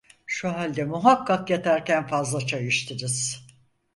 Şu halde muhakkak yatarken fazla çay içtiniz!